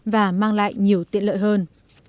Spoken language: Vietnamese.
và mang lại nhiều tiện lợi hơn